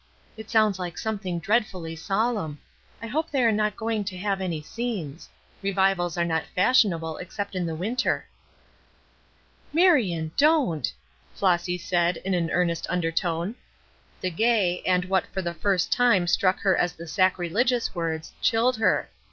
"It sounds like something dreadfully solemn. I hope they are not going to have any scenes. Revivals are not fashionable except in the winter." "Marion, don't!" Flossy said, in an earnest undertone. The gay, and what for the first time struck her as the sacrilegious words, chilled her.